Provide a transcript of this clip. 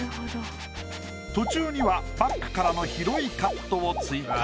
途中にはバックからの広いカットを追加。